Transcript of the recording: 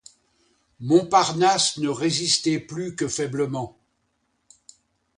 Montparnasse ne résistait plus que faiblement.